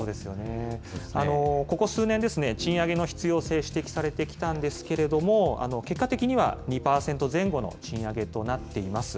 ここ数年ですね、賃上げの必要性、指摘されてきたんですけれども、結果的には２％前後の賃上げとなっています。